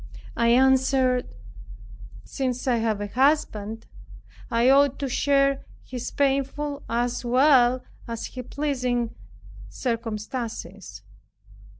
I answered, "Since I have a husband, I ought to share his painful as well as his pleasing circumstances."